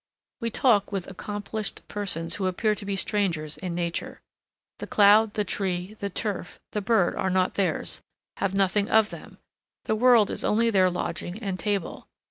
We talk with accomplished persons who appear to be strangers in nature. The cloud, the tree, the turf, the bird are not theirs, have nothing of them; the world is only their lodging and table.